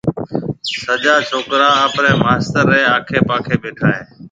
سجا ڇوڪرا آپريَ ماستر ريَ آکِي پاکِي ٻيٺا هيَ۔